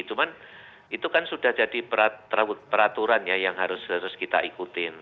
cuman itu kan sudah jadi peraturan ya yang harus kita ikutin